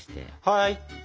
はい。